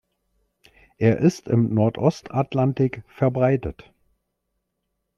Er ist im Nordost-Atlantik verbreitet.